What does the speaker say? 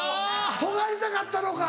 とがりたかったのか。